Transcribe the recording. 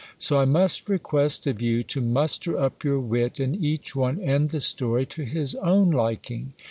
So I must request of you, to muster up your wit, and each one end the story to his own liking.